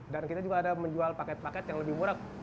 dan kita juga ada menjual paket paket yang lebih murah